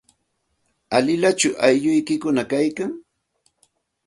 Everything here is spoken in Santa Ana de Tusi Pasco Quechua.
¿Alilachu aylluykikuna kaykan?